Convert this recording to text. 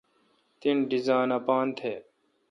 تن ڈیزان اپاتھ